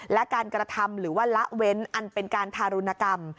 และการกระทำหรือว่าละเว้นอันเป็นการทารุณกรรม